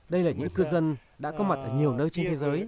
đây là những cư dân đã có mặt ở nhiều nơi trên thế giới